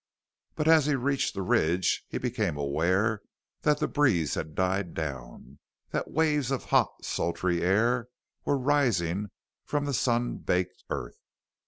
But just as he reached the ridge he became aware that the breeze had died down; that waves of hot, sultry air were rising from the sun baked earth.